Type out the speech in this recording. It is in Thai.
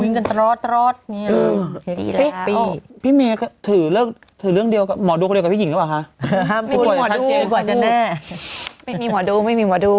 วิ่งกันตลอดดล้อมที่พี่ไหนก็ถือเรื่องเรื่องเดียวของหมอดูไปอย่างม้า๖๑มาดู